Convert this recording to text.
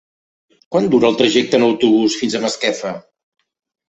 Quant dura el trajecte en autobús fins a Masquefa?